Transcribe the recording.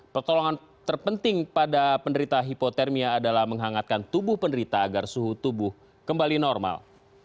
pertolongan terpenting pada penderita hipotermia adalah menghangatkan tubuh penderita agar suhu tubuh kembali normal